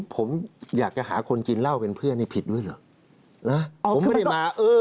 ผมอยากจะหาคนกินเหล้าเป็นเพื่อนผิดด้วยหรือ